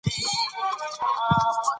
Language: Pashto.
جسدونه ښخ سول.